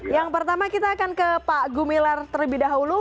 yang pertama kita akan ke pak gumilar terlebih dahulu